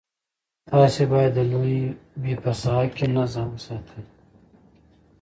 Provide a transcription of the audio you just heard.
تاسي باید د لوبې په ساحه کې نظم وساتئ.